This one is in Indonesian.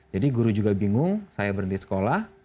jadi guru juga bingung saya berhenti sekolah